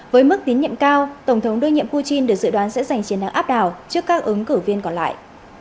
với mức tín nhiệm cao tổng thống đưa nhiệm putin được dự đoán sẽ giành chiến thắng áp đảo trước các ứng cử viên còn lại